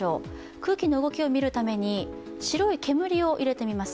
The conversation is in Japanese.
空気の動きを見るために、白い煙を入れてみます。